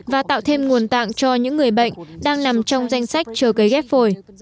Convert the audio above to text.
và tạo thêm nguồn tạng cho những người bệnh đang nằm trong danh sách chờ cấy ghép phổi